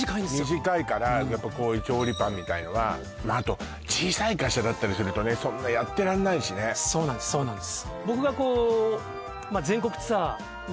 短いからやっぱこういう調理パンみたいのはあと小さい会社だったりするとねそんなやってらんないしねそうなんですそうなんです